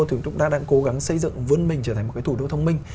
thì chúng ta đang cố gắng xây dựng vươn mình trở thành một cái thủ đô thông minh